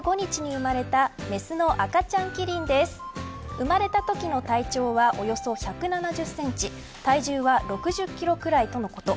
生まれたときの体長はおよそ１７０センチ体重は６０キロくらいとのこと。